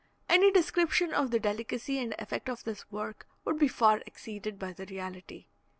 Any description of the delicacy and effect of this work would be far exceeded by the reality.